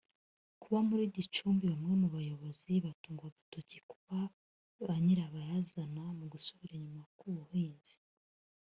Kuba muri Gicumbi bamwe mu bayobozi batungwa agatoki kuba ba nyirabayaza mu gusubira inyuma k’ubuhinzi